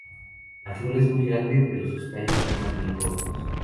La flor es muy grande, pero sus tallos son más bien cortos.